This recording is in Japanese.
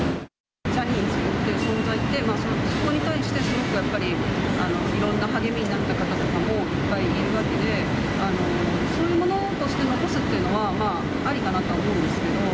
ジャニーズの存在って、そこに対してすごくやっぱりいろんな励みになった方とかもいっぱいいるわけで、そういうものとして残すというのは、まあ、ありかなとは思うんですけど。